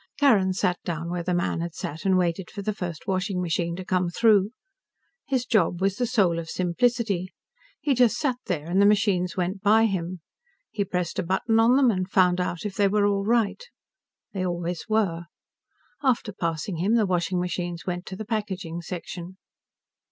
Carrin sat down where the man had sat and waited for the first washing machine to come through. His job was the soul of simplicity. He just sat there and the machines went by him. He pressed a button on them and found out if they were all right. They always were. After passing him, the washing machines went to the packaging section.